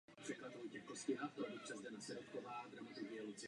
V současnosti zasahuje i do žánrů ambient a electro.